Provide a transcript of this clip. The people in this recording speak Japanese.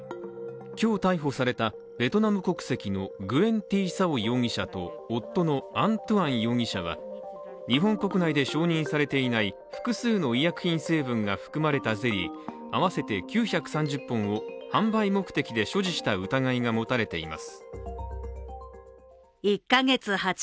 今日逮捕された、ベトナム国籍のグエン・ティ・サオ容疑者と夫のアン・トゥアン容疑者は日本国内で承認されていない複数の医薬品成分が含まれたゼリー合わせて９３０本を販売目的で所持した疑いが持たれています。